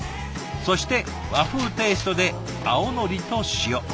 そして和風テイストで青のりと塩。